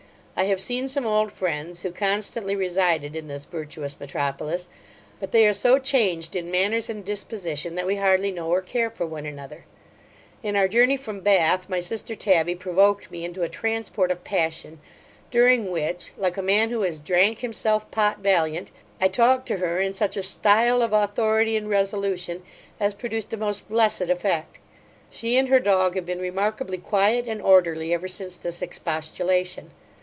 I have seen some old friends, who constantly resided in this virtuous metropolis, but they are so changed in manners and disposition, that we hardly know or care for one another In our journey from Bath, my sister Tabby provoked me into a transport of passion; during which, like a man who has drank himself pot valiant, I talked to her in such a stile of authority and resolution, as produced a most blessed effect. She and her dog have been remarkably quiet and orderly ever since this expostulation.